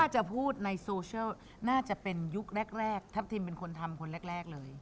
ถ้าจะพูดในโซเชียลน่าจะเป็นยุคแรกทัพทิมเป็นคนทำคนแรกเลย